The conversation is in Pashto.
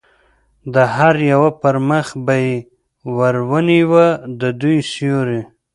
د هر یوه پر مخ به یې ور نیوه، د دوی سیوری.